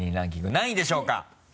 何位でしょうか？